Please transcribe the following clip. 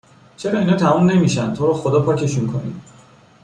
چرا اینا تموم نمیشن تو رو خدا پاکشون کنین